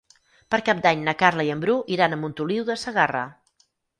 Per Cap d'Any na Carla i en Bru iran a Montoliu de Segarra.